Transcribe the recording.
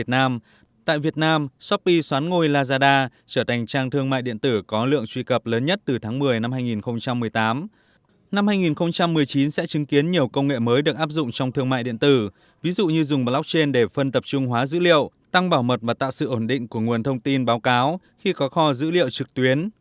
năm hai nghìn một mươi chín sẽ chứng kiến nhiều công nghệ mới được áp dụng trong thương mại điện tử ví dụ như dùng blockchain để phân tập trung hóa dữ liệu tăng bảo mật và tạo sự ổn định của nguồn thông tin báo cáo khi có kho dữ liệu trực tuyến